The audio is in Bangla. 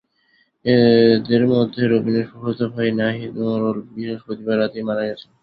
এঁদের মধ্যে রবিনের ফুফাতো ভাই নাহিদ মোড়ল বৃহস্পতিবার রাতেই মারা গেছেন।